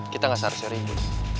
kita gak seharusnya rindu